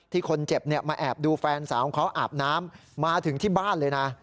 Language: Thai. คนเจ็บมาแอบดูแฟนสาวของเขาอาบน้ำมาถึงที่บ้านเลยนะ